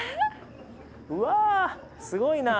うわすごいな。